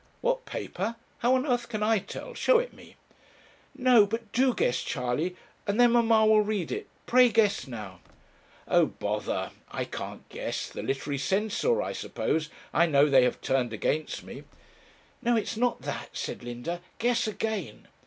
'What paper? how on earth can I tell? show it me.' 'No; but do guess, Charley; and then mamma will read it pray guess now.' 'Oh, bother, I can't guess. The Literary Censor, I suppose I know they have turned against me.' 'No, it's not that,' said Linda; 'guess again.'